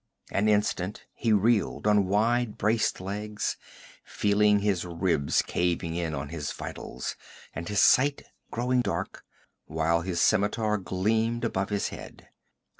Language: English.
An instant he reeled on wide braced legs, feeling his ribs caving in on his vitals and his sight growing dark, while his scimitar gleamed above his head.